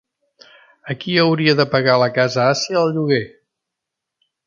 A qui hauria de pagar la Casa Àsia el lloguer?